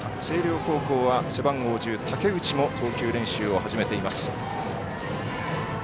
星稜高校は背番号１０、武内も投球練習を始めています。